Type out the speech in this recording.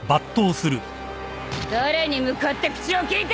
誰に向かって口を利いてんだ！